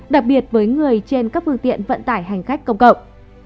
đặc biệt với người trên các phương tiện vận tải hành khách công cộng